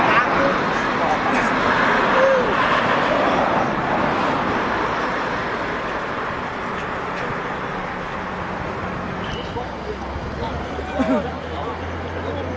สวัสดีครับคุณผู้ชาย